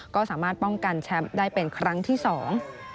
ก็สามารถป้องกันแชมป์ได้เป็นครั้งที่สอง